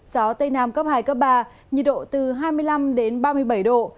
gió tây nam cấp hai cấp ba nhiệt độ từ hai mươi năm đến ba mươi bảy độ